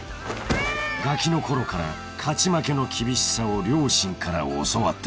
［ガキのころから勝ち負けの厳しさを両親から教わった］